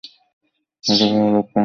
এটা ভালো লক্ষণ নয়।